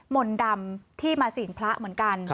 มนต์ดำที่มาศีลพระเหมือนกัน